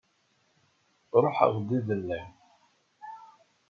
Ṛuḥeɣ-d iḍelli.